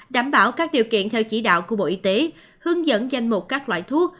đảm bảo các điều kiện theo chỉ đạo của bộ y tế hướng dẫn danh mục các loại thuốc